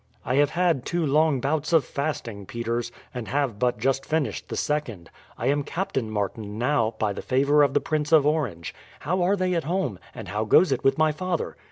"I have had two long bouts of fasting, Peters, and have but just finished the second. I am Captain Martin now, by the favour of the Prince of Orange. How are they at home? and how goes it with my father?"